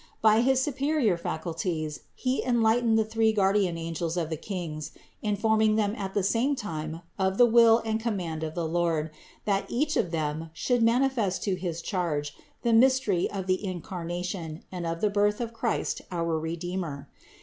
By his superior faculties he enlightened the three guardian angels of the Kings informing them at the same time of the will and command of the Lord, that each of them should manifest to his charge the mystery of the Incar nation and of the birth of Christ our Redeemer.